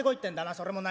それも何？